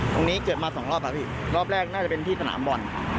ตรงนี้เกิดมาสองรอบแล้วพี่รอบแรกน่าจะเป็นที่สนามบอล